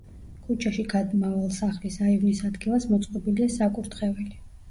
ქუჩაში გამავალ სახლის აივნის ადგილას მოწყობილია საკურთხეველი.